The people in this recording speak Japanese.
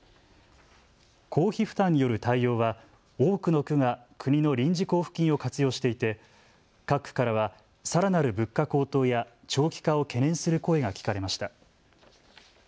公費負担による対応は多くの区が国の臨時交付金を活用していて各区からは、さらなる物価高騰や長期化を懸念する声が聞かれました。